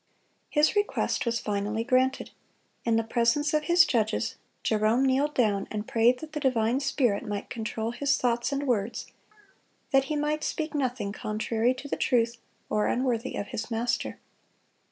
(147) His request was finally granted. In the presence of his judges, Jerome kneeled down and prayed that the divine Spirit might control his thoughts and words, that he might speak nothing contrary to the truth or unworthy of his Master.